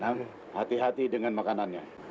hati hati dengan makanannya